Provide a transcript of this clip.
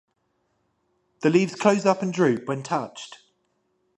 The leaves close up and droop when touched.